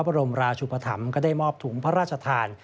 บรมราชุปธรรมก็ได้มอบถุงพระราชทาน